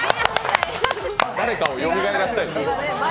誰かをよみがえらせたい？